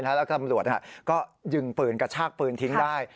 แล้วตำรวจก็ยิงปืนกระชากปืนทิ้งได้